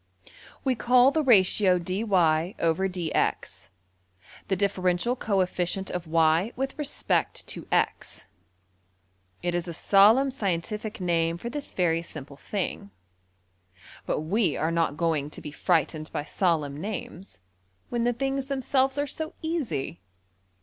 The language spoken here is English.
We call the ratio $\dfrac{dy}{dx}$ ``the \emph{differential coefficient} of~$y$ with respect to~$x$.'' It is a solemn scientific name for this very simple thing. But we are not going to be frightened by solemn names, when the things themselves are so easy.